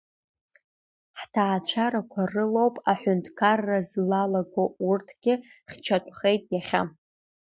Ҳҭаацәарақәа рылоуп аҳәынҭқарра злалаго урҭгьы хьчатәхеит иахьа.